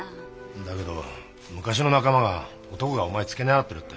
だけど昔の仲間が男がお前つけ狙ってるって。